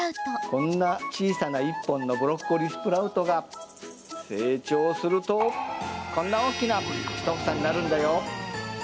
こんな小さな１本のブロッコリースプラウトが成長するとこんな大きな１房になるんだよ。